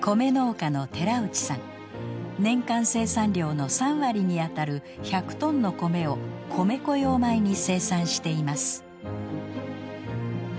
年間生産量の３割に当たる１００トンの米を米粉用米に生産しています。